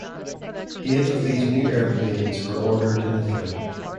Eight of these new airplanes were ordered in Italy.